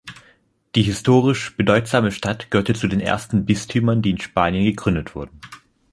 Die historisch bedeutsame Stadt gehörte zu den ersten Bistümern, die in Spanien gegründet wurden.